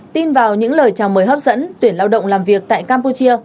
tin vào những lời chào mời hấp dẫn tuyển lao động làm việc tại campuchia